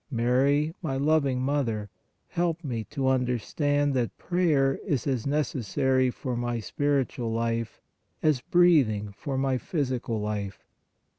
Mary, my loving Mother, help me to understand that prayer is as necessary for my spiritual life as breathing for my physical life.